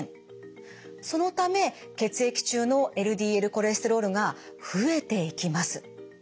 そのため血液中のＬＤＬコレステロールが増えていきます。